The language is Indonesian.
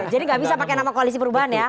jadi gak bisa pakai nama koalisi perubahan ya